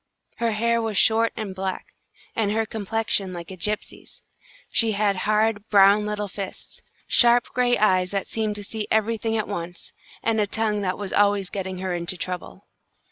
Her hair was short and black, and her complexion like a gypsy's. She had hard, brown little fists, sharp gray eyes that seemed to see everything at once, and a tongue that was always getting her into trouble.